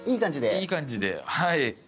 いい感じではい。